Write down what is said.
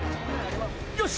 よし！